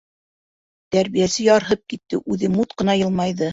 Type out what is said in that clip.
Тәрбиәсе ярһып китте, үҙе мут ҡына йылмайҙы: